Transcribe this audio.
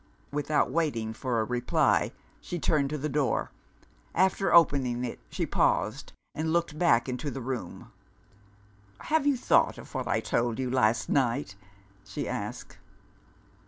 Without waiting for a reply, she turned to the door. After opening it, she paused and looked back into the room. "Have you thought of what I told you, last night?" she asked.